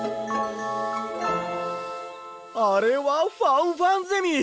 あれはファンファンゼミ！